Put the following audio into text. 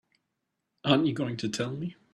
Aren't you going to tell me?